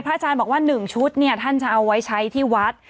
อาจารย์บอกว่า๑ชุดเนี่ยท่านจะเอาไว้ใช้ที่วัด